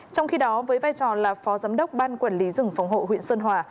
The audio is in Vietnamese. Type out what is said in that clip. trong khi đó với vai trò là phó giám đốc ban quản lý rừng phòng hộ huyện sơn hòa